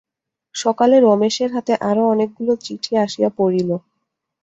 সকালে রমেশের হাতে আরো অনেকগুলা চিঠি আসিয়া পড়িল।